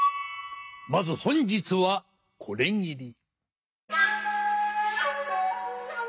まず本日はこれぎり。